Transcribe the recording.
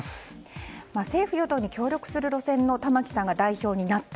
政府・与党に協力する路線の玉木さんが代表になった。